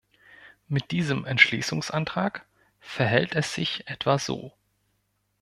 Mit diesem Entschließungsantrag verhält es sich etwa so.